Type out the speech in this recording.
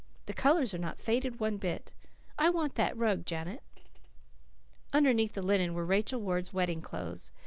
The colours are not faded one bit. I want that rug, Janet." Underneath the linen were Rachel Ward's wedding clothes.